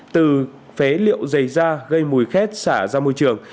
từ phế liệu dày da gây mùi khét xả ra môi trường